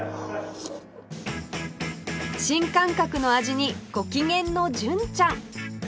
新感覚の味にご機嫌の純ちゃん